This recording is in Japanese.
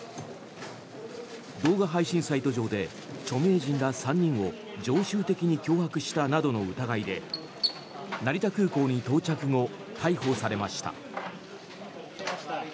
動画配信サイト上で著名人ら３人を常習的に脅迫したなどの疑いで成田空港に到着後逮捕されました。